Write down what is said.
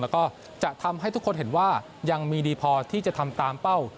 แล้วก็จะทำให้ทุกคนเห็นว่ายังมีดีพอที่จะทำตามเป้า